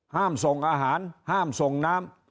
ห้ามส่งอาหารห้ามส่งน้ำ